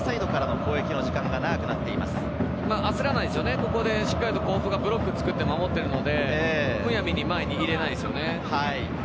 甲府はしっかりブロックを作って守っているので、むやみに前に出ないですよね。